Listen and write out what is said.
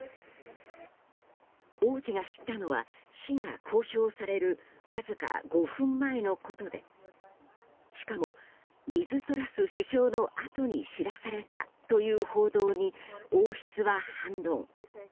王子が知ったのは死が公表されるわずか５分前のことでしかもリズ・トラス首相のあとに知らされたという報道に王室は反論。